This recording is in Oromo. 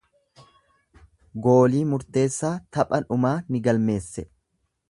Goolii murteessaa tapha dhumaa ni galmeesse.